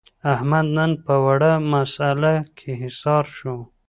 احمد نن په وړه مسعله کې حصار شو.